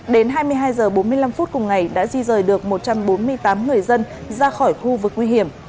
đến hai mươi hai h bốn mươi năm phút cùng ngày đã di rời được một trăm bốn mươi tám người dân ra khỏi khu vực nguy hiểm